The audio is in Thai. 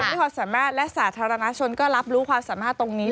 มีความสามารถและสาธารณชนก็รับรู้ความสามารถตรงนี้